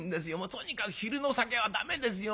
とにかく昼の酒は駄目ですよまだ。